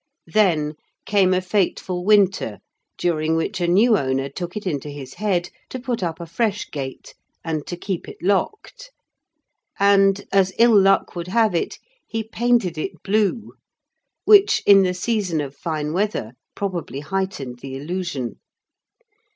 Then came a fateful winter during which a new owner took it into his head to put up a fresh gate and to keep it locked, and, as ill luck would have it, he painted it blue, which, in the season of fine weather, probably heightened the illusion.